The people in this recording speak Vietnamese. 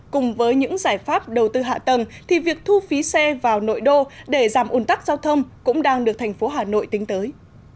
cùng với những giải pháp đầu tư hạ tầng thì việc thu phí xe vào nội đô để giảm ủn tắc giao thông cũng đang được thành phố hà nội tính tới